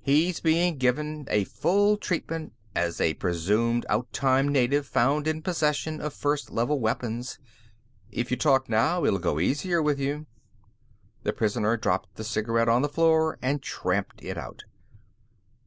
He's being given a full treatment, as a presumed outtime native found in possession of First Level weapons. If you talk now it'll go easier with you." The prisoner dropped the cigarette on the floor and tramped it out.